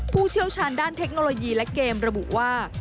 ผู้เชี่ยวชาญด้านเทคโนโลยีและเกมระบุว่า